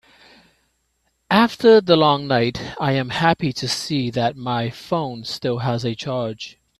After the long night, I am happy to see that my phone still has a charge.